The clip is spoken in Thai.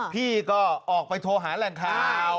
พี่ก็ออกไปโทรหาแหล่งข่าว